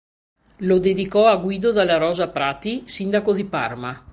Lo dedicò a Guido dalla Rosa Prati, sindaco di Parma.